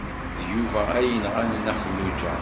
D Yuba ay yenɣan Nna Xelluǧa.